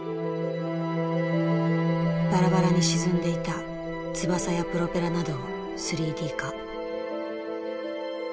バラバラに沈んでいた翼やプロペラなどを３Ｄ化。